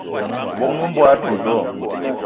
O bóng-be m'bogué a doula do?